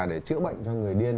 để chữa bệnh cho người điên